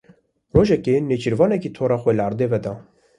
Rojekê nêçîrvanekî tora xwe li erdê veda.